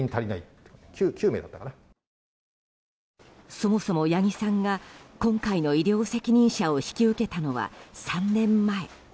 そもそも、八木さんが今回の医療責任者を引き受けたのは、３年前。